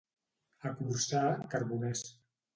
A Corçà, carboners.